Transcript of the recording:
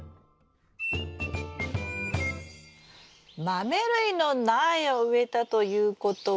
マメ類の苗を植えたということは？